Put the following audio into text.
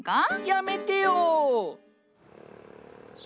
やめてよ。